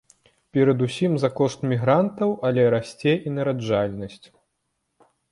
Перадусім за кошт мігрантаў, але расце і нараджальнасць.